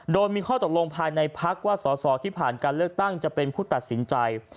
โดยมีข้อตกลงภายในพักว่าสอสอที่ผ่านการเลือกตั้งจะเป็นผู้ตัดสินใจ